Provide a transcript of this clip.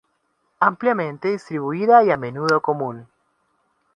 Ampliamente distribuida y a menudo común.